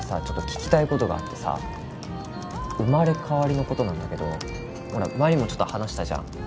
ちょっと聞きたいことがあってさ生まれ変わりのことなんだけどほら前にもちょっと話したじゃん？